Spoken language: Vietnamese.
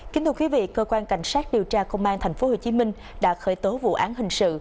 kính thưa quý vị cơ quan cảnh sát điều tra công an tp hcm đã khởi tố vụ án hình sự